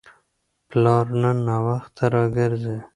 پلار نن ناوخته راګرځي.